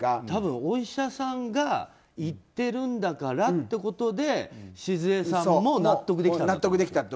多分お医者さんが言ってるんだからってことで静江さんも納得できたんだよね。